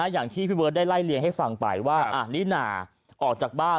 อย่างที่พี่เบิร์ตได้ไล่เลี่ยงให้ฟังไปว่าลิน่าออกจากบ้าน